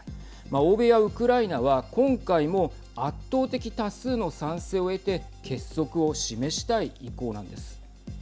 欧米やウクライナは今回も圧倒的多数の賛成を得て結束を示したい意向なんです。